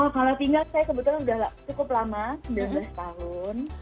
kalau tinggal saya kebetulan sudah cukup lama sembilan belas tahun